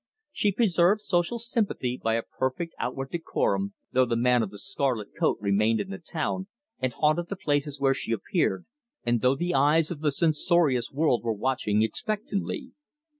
She preserved social sympathy by a perfect outward decorum, though the man of the scarlet coat remained in the town and haunted the places where she appeared, and though the eyes of the censorious world were watching expectantly.